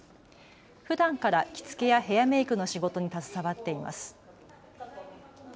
ふだんから着付けやヘアメークの仕事に携わっています。